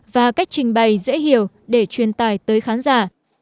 và cách trình bày dễ hiểu để truyền tải tới khán giả